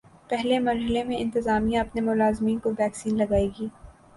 پہلے مرحلے میں انتظامیہ اپنے ملازمین کو ویکسین لگائے گی